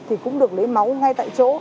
thì cũng được lấy máu ngay tại chỗ